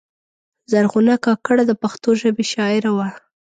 زرغونه کاکړه د پښتو ژبې شاعره وه.